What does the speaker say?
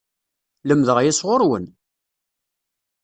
Lemdeɣ aya sɣur-wen!